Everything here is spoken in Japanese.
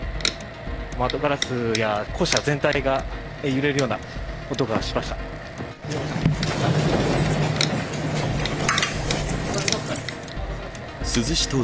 窓ガラスや校舎全体が揺れるような音がしました。